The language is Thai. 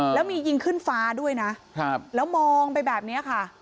แล้วมียิงขึ้นฟ้าด้วยนะแล้วมองไปแบบนี้ค่ะ